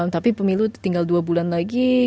tapi pemilu tinggal dua bulan lagi